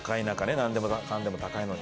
なんでもかんでも高いのに。